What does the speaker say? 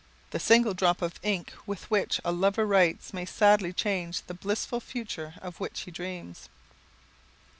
The single drop of ink with which a lover writes may sadly change the blissful future of which he dreams.